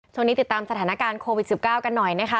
ช่วงนี้ติดตามสถานการณ์โควิด๑๙กันหน่อยนะคะ